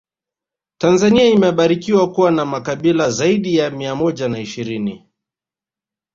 tanzania imebarikiwa kuwa na makabila zaidi ya mia moja na ishirini